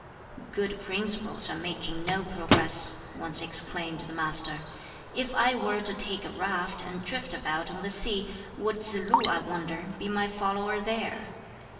"Good principles are making no progress," once exclaimed the Master. "If I were to take a raft, and drift about on the sea, would Tsz lu, I wonder, be my follower there?"